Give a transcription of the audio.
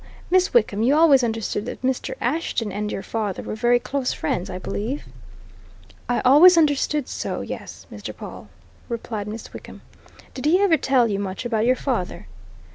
Miss Wickham, you always understood that Mr. Ashton and your father were very close friends, I believe?" "I always understood so yes, Mr. Pawle," replied Miss Wickham. "Did he ever tell you much about your father?"